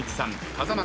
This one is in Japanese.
風間